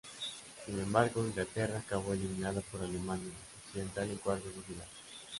Sin embargo, Inglaterra acabó eliminada por Alemania Occidental en cuartos de final.